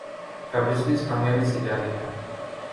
کا بزنس کامیابی سے جاری ہے